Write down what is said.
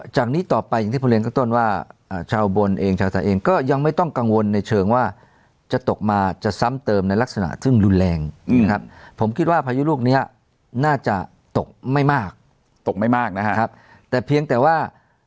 จากนี้ต่อไปอย่างที่ผมเรียนก็ต้นว่าชาวบนเองชาวไทยเองก็ยังไม่ต้องกังวลในเชิงว่าจะตกมาจะซ้ำเติมในลักษณะซึ่งรุนแรงนะครับผมคิดว่าพายุลูกนี้น่าจะตกไม่มากตกไม่มากนะครับแต่เพียงแต่ว่า